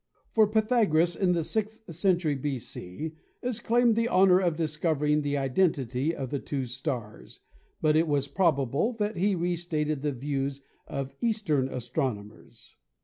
For Pythagoras in the sixth century B.C. is claimed the honor of discovering the identity of the two stars, but it was probable that he restated the views of Eastern astronomers.